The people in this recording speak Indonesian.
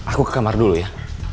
aku ke kamar dulu ya